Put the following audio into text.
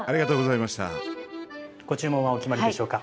ご注文はお決まりでしょうか？